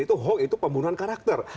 itu hoax itu pembunuhan karakter